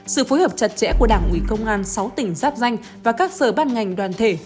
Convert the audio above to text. sự phối hợp chặt chẽ của đảng ủy công an sáu tỉnh giáp danh và các sở ban ngành đoàn thể